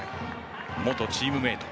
元チームメート。